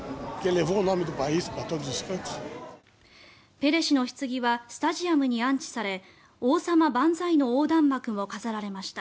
ペレ氏のひつぎはスタジアムに安置され王様万歳の横断幕も飾られました。